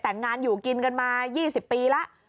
แต่งงานอยู่กินกันมา๒๐ปีแล้ว